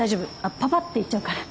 ぱぱって行っちゃうから。